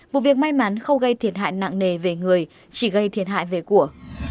vụ việc may mắn không gây thiệt hại nặng nề về người chỉ gây thiệt hại về của